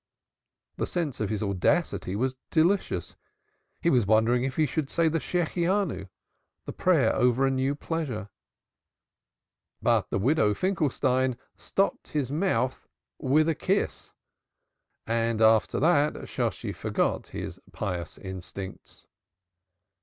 The sense of his audacity was delicious. He was wondering whether he ought to say She hechyoni the prayer over a new pleasure. But the Widow Finkelstein stopped his mouth with a kiss. After that Shosshi forgot his pious instincts.